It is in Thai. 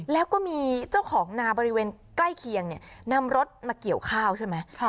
แล้วก็มีเจ้าของนาบริเวณใกล้เคียงนำรถมาเกี่ยวข้าวใช่ไหม